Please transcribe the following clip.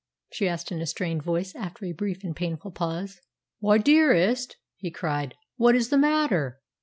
she asked in a strained voice after a brief and painful pause. "Why, dearest!" he cried, "what is the matter?